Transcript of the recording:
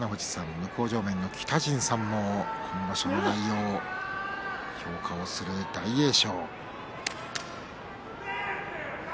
向正面の北陣さんも今場所の内容、評価する大栄翔。